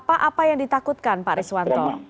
apa apa yang ditakutkan pak riswanto